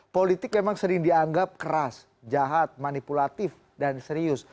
politik memang sering dianggap keras jahat manipulatif dan serius